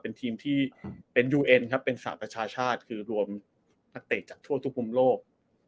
เป็นทีมที่เป็นยูเอ็นครับเป็นสหประชาชาติคือรวมนักเตะจากทั่วทุกมุมโลก